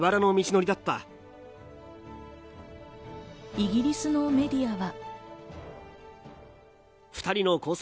イギリスのメディアは。